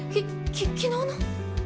き昨日の？